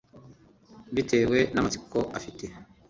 Bitewe namatsiko afite